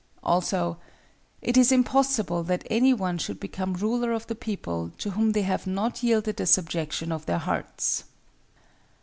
Also,—"It is impossible that any one should become ruler of the people to whom they have not yielded the subjection of their hearts."